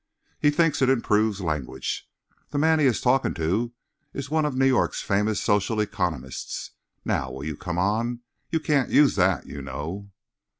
He thinks it improves language. The man he is talking to is one of New York's famous social economists. Now will you come on. You can't use that, you know."